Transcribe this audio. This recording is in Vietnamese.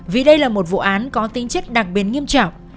vì đây là một vụ án có tính chất đặc biệt nghiêm trọng